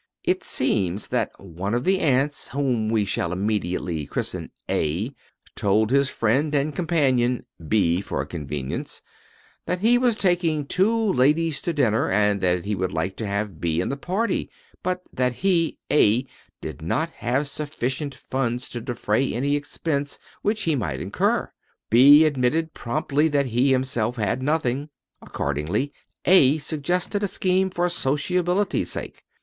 It seems that one of the ants, whom we shall immediately christen A, told his friend and companion, B for convenience, that he was taking two ladies to dinner and that he would like to have B in the party, but that he, A, did not have sufficient funds to defray any expense which he might incur. B admitted promptly that he himself had nothing. Accordingly, A suggested a scheme for sociability's sake.